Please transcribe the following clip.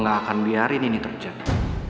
gak akan biarin ini terjadi